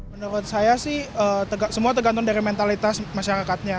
menurut saya sih semua tergantung dari mentalitas masyarakatnya